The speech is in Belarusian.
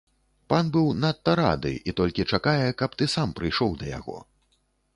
Пан быў надта рады і толькі чакае, каб ты сам прыйшоў да яго.